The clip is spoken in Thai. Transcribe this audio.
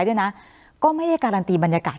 คุณลำซีมัน